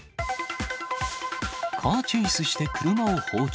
カーチェイスして車を放置。